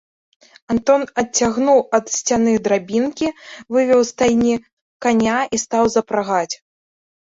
Антон адцягнуў ад сцяны драбінкі, вывеў з стайні каня і стаў запрагаць.